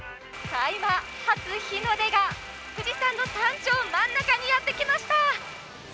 初日の出が富士山の山頂真ん中にやってきました！